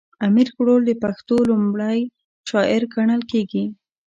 امير کروړ د پښتو ړومبی شاعر ګڼلی کيږي